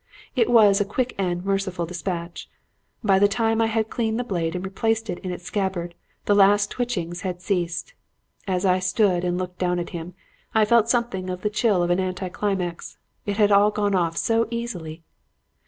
It was a quick and merciful dispatch. By the time I had cleaned the blade and replaced it in its scabbard, the last twitchings had ceased. As I stood and looked down at him, I felt something of the chill of an anticlimax. It had all gone off so easily.